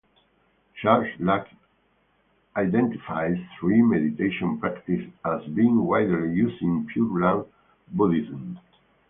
Charles Luk identifies three meditation practices as being widely used in Pure Land Buddhism.